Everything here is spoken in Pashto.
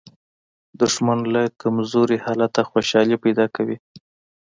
دښمن له کمزوري حالته خوشالي پیدا کوي